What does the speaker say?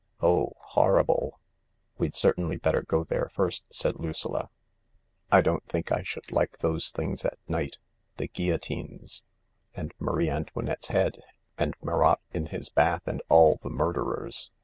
Oh— horrible !" "We'd certainly better go there first," said Lucilla. " I don't think I should like those things at night — the guillo tines, and Marie Antoinette's head, and Marat in his bath, and all the murderers.